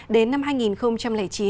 đến năm hai nghìn chín